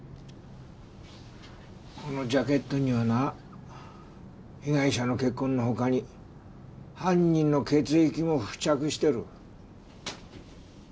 このジャケットにはな被害者の血痕の他に犯人の血液も付着してる。